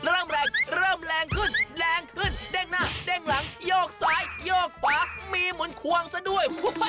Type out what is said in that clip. แรงเริ่มแรงขึ้นแรงขึ้นเด้งหน้าเด้งหลังโยกซ้ายโยกขวามีหมุนควงซะด้วย